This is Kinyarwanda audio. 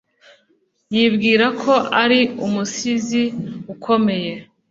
Yibwira ko ari umusizi ukomeye